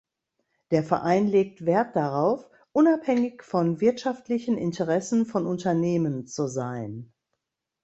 Der Verein legt Wert darauf, unabhängig von wirtschaftlichen Interessen von Unternehmen zu sein.